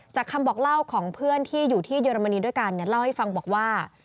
คำบอกเล่าของเพื่อนที่อยู่ที่เยอรมนีด้วยกันเนี่ยเล่าให้ฟังบอกว่า